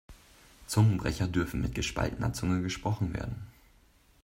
Zungenbrecher dürfen mit gespaltener Zunge gesprochen werden.